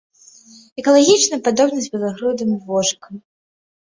Экалагічна падобны з белагрудым вожыкам.